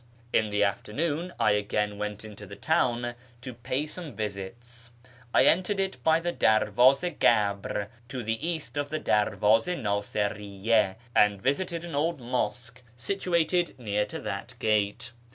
In the afternoon I again went into the town to pay some visits. I entered it by the Derwaze i Gabr, to the east of the Derwazd i Nasiriyye, and visited an old mosque situated near to that gate.